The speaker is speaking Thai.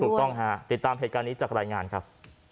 ถูกต้องฮะติดตามเหตุการณ์นี้จากรายงานครับ